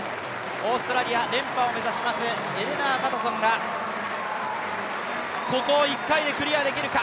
オーストラリア、連覇を目指しますエレナー・パタソンがここを１回でクリアできるか。